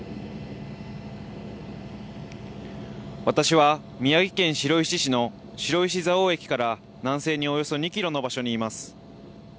私は宮城県白石市の白石蔵王駅から南西におよそ２キロの場所にいます。